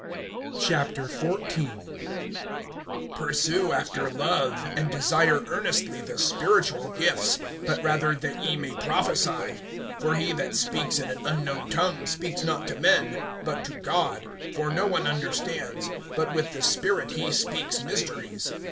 (1)Pursue after love; and desire earnestly the spiritual gifts, but rather that ye may prophesy. (2)For he that speaks in an unknown tongue speaks not to men, but to God; for no one understands; but with the spirit he speaks mysteries.